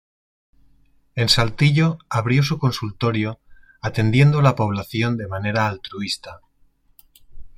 En Saltillo abrió su consultorio atendiendo a la población de manera altruista.